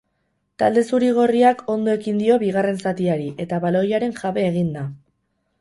Talde zuri-gorriak ondo ekin dio bigarren zatiari eta baloiaren jabe egin da.